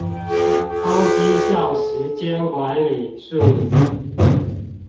高績效時間管理術